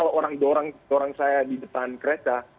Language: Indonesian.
jika orang orang di depan kereta